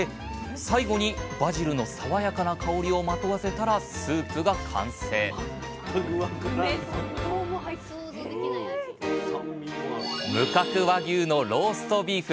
最後にバジルの爽やかな香りをまとわせたらスープが完成無角和牛のローストビーフ。